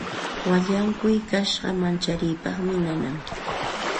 Wallankuy kasha mancharipaqmi nanan.